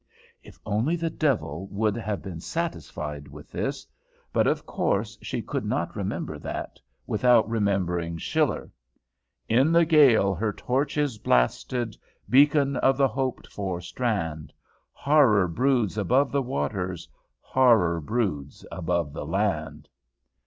If only the devil would have been satisfied with this. But of course she could not remember that, without remembering Schiller: "In the gale her torch is blasted, Beacon of the hoped for strand: Horror broods above the waters, Horror broods above the land."